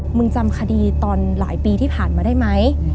มึงจำคดีตอนหลายปีที่ผ่านมาได้ไหม